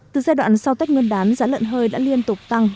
từ giai đoạn sau tách nguyên đán giá lợn hơi đã liên tục tăng